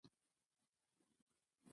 ـ د لمر سترګه په دو ګوتو نه پټيږي.